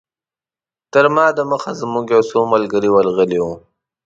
تر ما دمخه زموږ یو څو ملګري ورغلي وو.